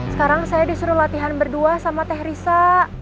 sekarang saya disuruh latihan berdua sama teh risa